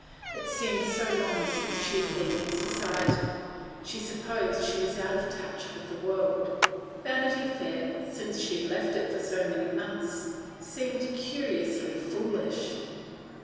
It seemed so long since she had been in society ; she supposed she was out of touch with the world. Vanity Fair, since she had left it for so many months, seemed curiously foolish.